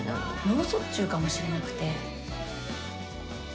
脳卒中かもしれなくて。